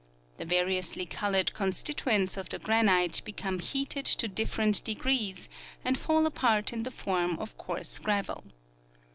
The variously colored constituents of the granite become heated to different degrees and fall apart in the form of coarse gravel.